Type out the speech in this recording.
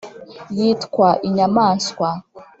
Yitwa inyamaswa